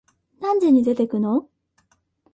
何時に出てくの？